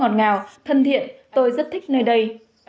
tôi thấy ở đây rất ngọt ngào thân thiện tôi rất thích nơi đây